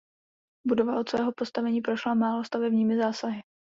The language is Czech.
Budova od svého postavení prošla málo stavebními zásahy.